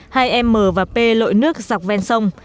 hai m và p lội nước dọc ven sông